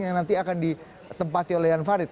yang nanti akan ditempati oleh jan farid